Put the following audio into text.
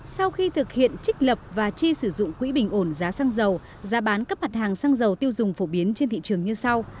sau khi thực hiện trích lập và chi sử dụng quỹ bình ổn giá xăng dầu giá bán các mặt hàng xăng dầu tiêu dùng phổ biến trên thị trường như sau